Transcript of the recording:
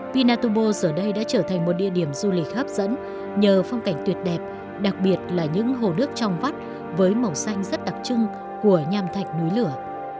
pinatubo giờ đây đã trở thành một địa điểm du lịch hấp dẫn nhờ phong cảnh tuyệt đẹp đặc biệt là những hồ nước trong vắt với màu xanh rất đặc trưng của nham thạch núi lửa